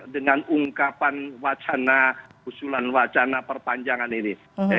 dengan ungkapan wacana usulan wacana perpanjangan ini